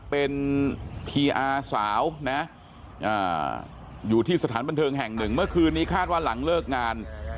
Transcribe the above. เป็นพีอาสาวนะอยู่ที่สถานบันเทิงแห่งหนึ่งเมื่อคืนนี้คาดว่าหลังเลิกงาน